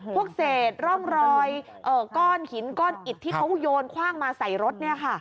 พวกเศษร่องรอยก้อนหินก้อนอิดที่เขาโยนคว่างมาใส่รถ